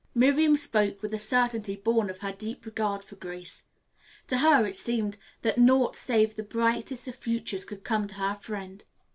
Miriam spoke with a certainty born of her deep regard for Grace. To her it seemed that naught save the brightest of futures could come to her friend.